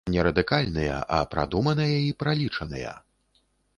Не радыкальныя, а прадуманыя і пралічаныя.